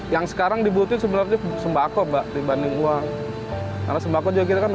yang sekarang dibutuhkan sebenarnya sembako mbak dibanding uang karena sembako juga kita kan